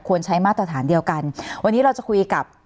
ใช้มาตรฐานเดียวกันวันนี้เราจะคุยกับ